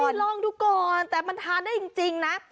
ลองดูก่อนแต่มันทานได้จริงนะ